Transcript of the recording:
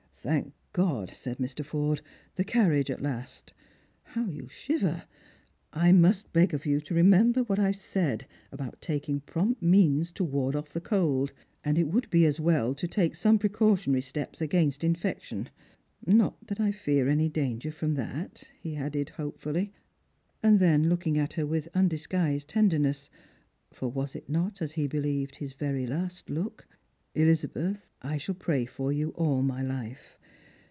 "Thank God!" said Mr. Forde; "the carriage at last. How you shiver ! I must beg of you to remember what I have 320 Strangers and Pilgrims. said al3ont taking prompt means to ward off the cold, and it would be as well to take some precautionary steps against in fection : not that I fear any danger from that," he added hope fully. Then, looking at her with undisguised tenderness — for was it not, as he believed, his very last look ?—" Elizabeth, I shall pray for you all my life.